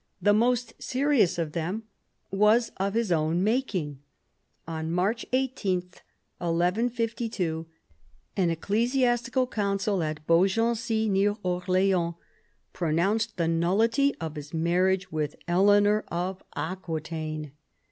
The most serious of them was of his own making. On March 18, 1152, an ecclesiastical council at Beaugency, near Orleans, pronounced the nullity of his marriage with Eleanor of Aquitaine.